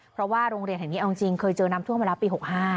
เพราะว่าโรงเรียนแห่งนี้เอาจริงเคยเจอน้ำท่วมมาแล้วปี๖๕